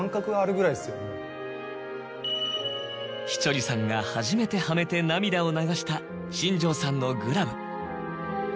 稀哲さんが初めてはめて涙を流した新庄さんのグラブ。